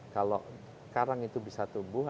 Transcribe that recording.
kalau karang itu bisa tumbuh